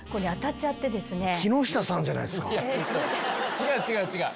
違う違う違う！